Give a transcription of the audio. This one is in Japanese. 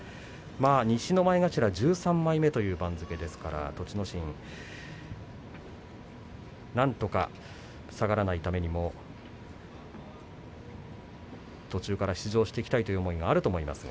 西の前頭１３枚目という番付ですから、栃ノ心なんとか下がらないためにも途中から出場していきたいという思いがあると思います。